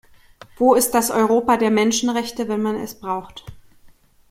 Wo ist das Europa der Menschenrechte, wenn man es braucht?